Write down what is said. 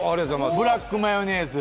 ブラックマヨネーズ。